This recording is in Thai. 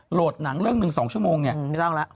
โหลดหนังเรื่องหนึ่ง๒ชั่วโมงเนี่ยไม่ต้องแล้ว